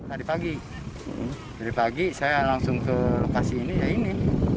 tadi pagi dari pagi saya langsung ke lokasi ini ya ini